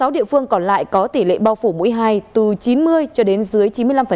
sáu địa phương còn lại có tỷ lệ bao phủ mũi hai từ chín mươi cho đến dưới chín mươi năm